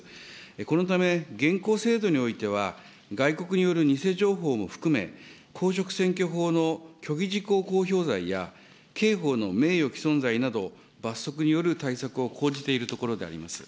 このため、現行制度においては外国による偽情報も含め、公職選挙法の虚偽事項公表罪や、刑法の名誉棄損罪など、罰則による対策を講じているところであります。